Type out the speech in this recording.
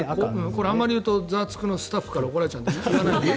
これあまり言うと「ザワつく！」のスタッフから怒られるので言わないですが。